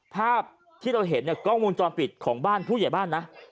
ภาพที่เราเห็นเนี่ยกล้องวงจรปิดของบ้านผู้ใหญ่บ้านนะ